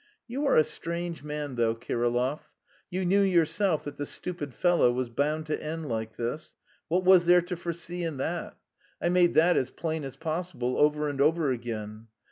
"You are a strange man, though, Kirillov; you knew yourself that the stupid fellow was bound to end like this. What was there to foresee in that? I made that as plain as possible over and over again.